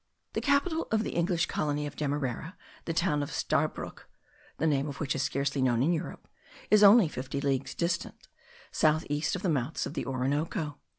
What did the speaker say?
The capital of the English colony of Demerara, the town of Stabroek, the name of which is scarcely known in Europe, is only fifty leagues distant, south east of the mouths of the Orinoco.